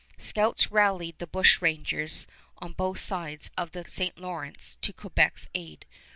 Scouts rallied the bushrangers on both sides of the St. Lawrence to Quebec's aid.